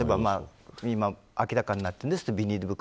今、明らかになっていますがビニール袋。